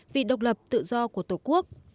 vì độc lập tự do của tổ quốc